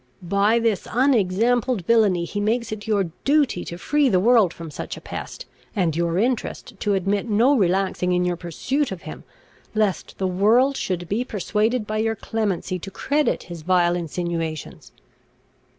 By this unexampled villainy, he makes it your duty to free the world from such a pest, and your interest to admit no relaxing in your pursuit of him, lest the world should be persuaded by your clemency to credit his vile insinuations."